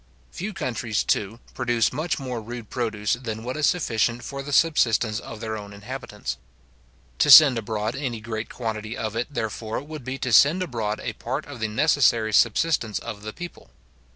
Few countries, too, produce much more rude produce than what is sufficient for the subsistence of their own inhabitants. To send abroad any great quantity of it, therefore, would be to send abroad a part of the necessary subsistence of the people.